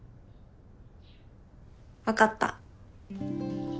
分かった。